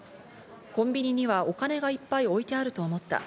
コンビニにはお金がいっぱい置いてあると思った。